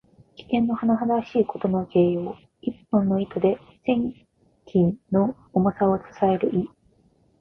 危険のはなはだしいことの形容。一本の糸で千鈞の重さを支える意。